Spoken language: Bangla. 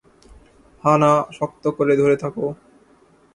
হা-না, শক্ত করে ধরে থাকো!